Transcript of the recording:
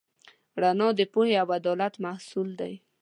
رڼا د پوهې او عدالت محصول دی.